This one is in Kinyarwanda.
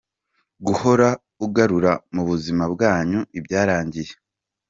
Guhora ugarura mu buzima bwanyu ibyarangiye.